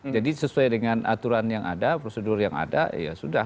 jadi sesuai dengan aturan yang ada prosedur yang ada ya sudah